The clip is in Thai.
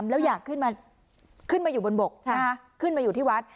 แล้วอยากขึ้นมาอยู่บนบกขึ้นมาอยู่ที่วัด